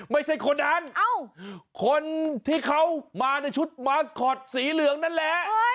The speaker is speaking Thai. ไม่ใช่คนนั้นคนที่เขามาในชุดมาสคอตสีเหลืองนั่นแหละ